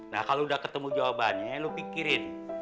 nah kalau udah ketemu jawabannya lu pikirin